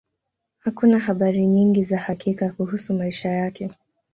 Hakuna habari nyingi za hakika kuhusu maisha yake.